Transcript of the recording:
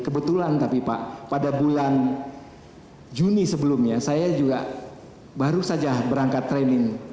kebetulan tapi pak pada bulan juni sebelumnya saya juga baru saja berangkat training